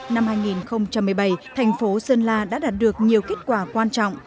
năm hai nghìn một mươi bảy thành phố sơn la đã đạt được nhiều kết quả quan trọng